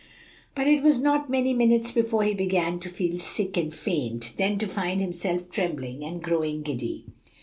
But it was not many minutes before he began to feel sick and faint, then to find himself trembling and growing giddy.